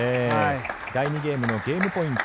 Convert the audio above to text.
第２ゲームのポイント